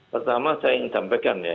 pertama saya ingin sampaikan ya